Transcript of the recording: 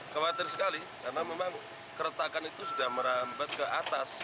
khawatir sekali karena memang keretakan itu sudah merambat ke atas